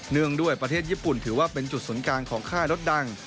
งด้วยประเทศญี่ปุ่นถือว่าเป็นจุดศูนย์กลางของค่ายรถดัง